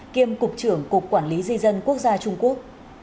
kiêm cục trưởng cục quản lý di dân quốc gia trung quốc